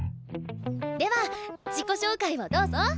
では自己紹介をどうぞ。